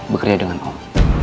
bekerja dengan om